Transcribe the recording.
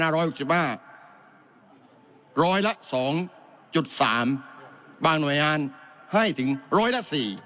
ร้อยละ๒๓บางหน่วยงานให้ถึงร้อยละ๔